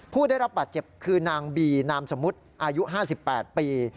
ผู้ได้รับบาดเจ็บคือนางบีนามสมมุติอายุ๕๘ปี